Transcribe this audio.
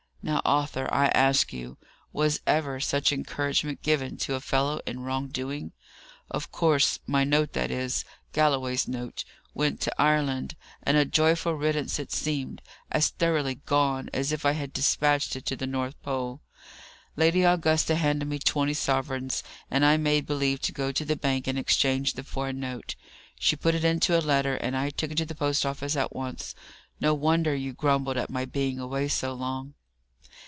Now, Arthur, I ask you, was ever such encouragement given to a fellow in wrong doing? Of course, my note, that is, Galloway's note, went to Ireland, and a joyful riddance it seemed; as thoroughly gone as if I had despatched it to the North Pole. Lady Augusta handed me twenty sovereigns, and I made believe to go to the bank and exchange them for a note. She put it into a letter, and I took it to the post office at once. No wonder you grumbled at my being away so long!"